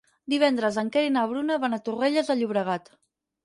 Divendres en Quer i na Bruna van a Torrelles de Llobregat.